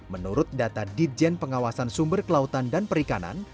menurut data ditjen pengawasan sumber kelautan dan perikanan